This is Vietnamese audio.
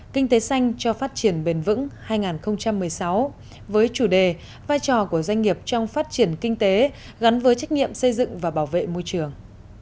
kinh tế xanh cho phát triển bền vững hai nghìn một mươi sáu với chủ đề vai trò của doanh nghiệp trong phát triển kinh tế gắn với trách nhiệm xây dựng và bảo vệ môi trường